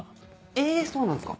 えそうなんすか？